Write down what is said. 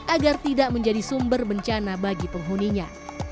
agar tidak menjadi sumber bencana bagi penghuninya